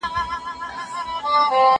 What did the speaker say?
زه د کتابتون پاکوالی کړی دی!